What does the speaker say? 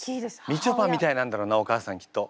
みちょぱみたいなんだろうなお母さんきっと。